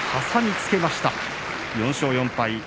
挟みつけました、４勝４敗。